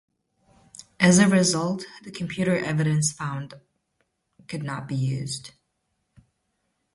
As a result, the computer evidence found could not be used.